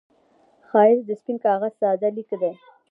ښایست د سپين کاغذ ساده لیک دی